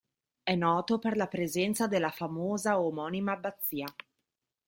È noto per la presenza della famosa omonima abbazia.